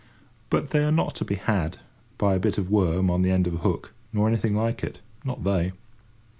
But they are not to be "had" by a bit of worm on the end of a hook, nor anything like it—not they!